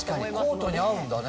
コートに合うんだね。